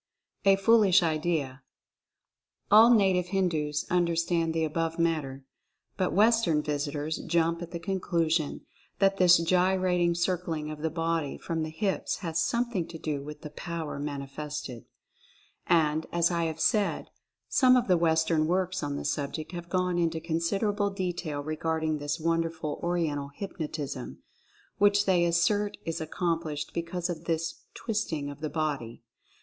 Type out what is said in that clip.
A FOOLISH IDEA. All native Hindus understand the above matter, but Western visitors jump at the conclusion that this gyrating circling of the body from the hips has some thing to do with the "power" manifested. And, as I have said, some of the Western works on the subject have gone into considerable detail regarding this won derful "Oriental Hypnotism," which they assert is ac complished because of this twisting of the body.